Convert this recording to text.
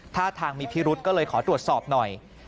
ท่าทางมีพิรุษก็เลยขอตรวจสอบหน่อย